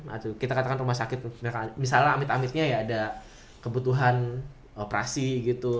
nah kita katakan rumah sakit misalnya amit amitnya ya ada kebutuhan operasi gitu